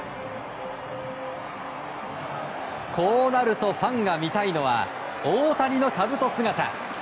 こうなるとファンが見たいのは大谷のかぶと姿。